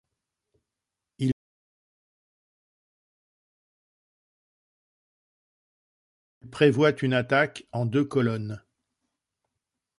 Il prévoit une attaque en deux colonnes.